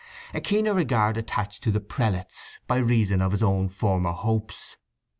A keener regard attached to the prelates, by reason of his own former hopes.